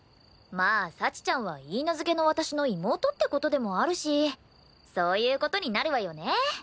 まあ幸ちゃんは許嫁の私の妹って事でもあるしそういう事になるわよね。